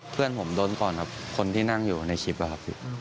เพื่อนผมโดนก่อนครับคนที่นั่งอยู่ในคลิปแล้วครับพี่